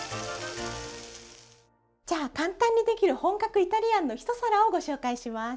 じゃあ簡単にできる本格イタリアンの一皿をご紹介します。